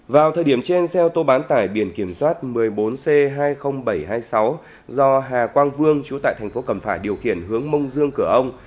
vào thời điểm trên xe ô tô bán tải biển kiểm soát một mươi bốn c hai mươi nghìn bảy trăm hai mươi sáu do hà quang vương chú tại thành phố cẩm phả điều khiển hướng mông dương cửa ông